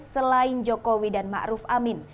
selain jokowi dan ma'ruf amin